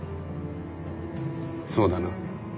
そうだな。